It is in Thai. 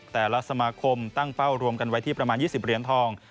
แต่ละสมาคมตั้งเป้ารวมกันไว้ที่ประมาณ๒๐เหรียญทอง